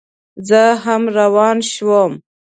زه هم روان شوم.